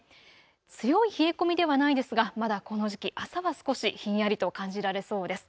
強い冷え込みではないですがまだこの時期、朝は少しひんやりと感じられそうです。